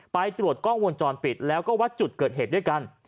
ไปตรวจกล้องวงจรปิดแล้วก็วัดจุดเกิดเหตุด้วยกัน